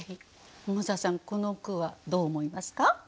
桃沢さんこの句はどう思いますか？